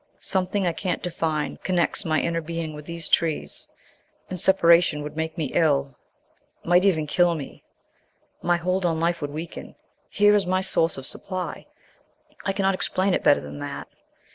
Something I can't define connects my inner being with these trees, and separation would make me ill might even kill me. My hold on life would weaken; here is my source of supply. I cannot explain it better than that."